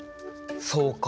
そうか。